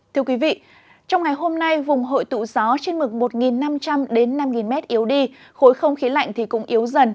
trong ngày hôm nay vùng hội tụ gió trên mực một năm trăm linh năm m yếu đi khối không khí lạnh cũng yếu dần